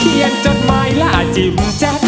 เขียนจดหมายและอจิ้มแจ็บ